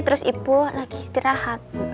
terus ibu lagi istirahat